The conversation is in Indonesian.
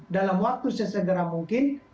dalam waktu sesegera mungkin